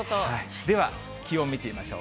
では気温見てみましょう。